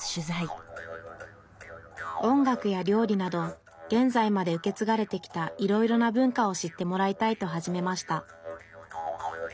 音楽や料理など現在まで受け継がれてきたいろいろな文化を知ってもらいたいと始めました